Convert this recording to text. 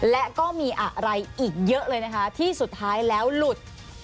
และก็มีอะไรอีกเยอะเลยนะคะที่สุดท้ายแล้วหลุด